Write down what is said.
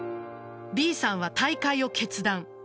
Ｂさんは退会を決断。